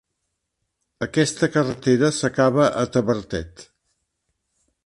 Aquesta carretera s'acaba a Tavertet.